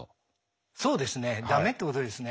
そうですねダメってことですね。